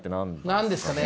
何ですかね？